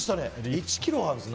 １ｋｍあるんですね。